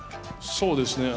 そうですね。